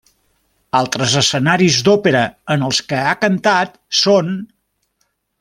Altres escenaris d'òpera en els que ha cantat són: